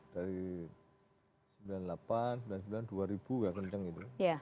dari seribu sembilan ratus sembilan puluh delapan seribu sembilan ratus sembilan puluh sembilan dua ribu ya kencang itu